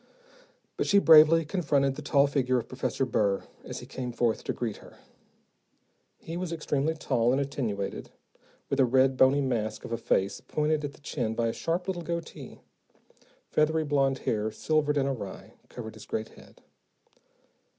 But she bravely confronted the tall figure of Professor Burr, as he came forth to greet her. He was extremely tall and attenuated, with a red, bony mask of a face pointed at the chin by a sharp little goatee. Feathery blond hair, silvered and awry, covered his great head.